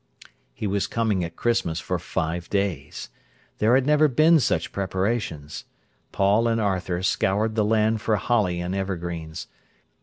He was coming at Christmas for five days. There had never been such preparations. Paul and Arthur scoured the land for holly and evergreens.